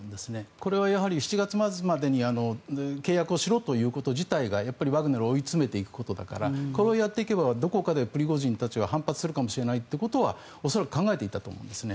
これはやはり７月末までに契約をしろということ自体がワグネルを追い詰めていくことだからこれをやっていけばどこかでプリゴジンたちは反発するかもしれないということは恐らく考えていたと思いますね。